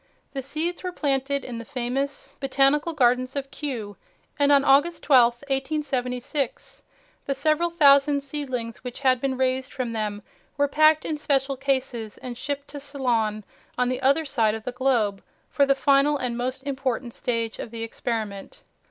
The seeds were planted in the famous Botanical Gardens of Kew, and on August 12, 1876, the several thousand seedlings which had been raised from them were packed in special cases and shipped to Ceylon on the other side of the globe for the final and most important stage of the experiment.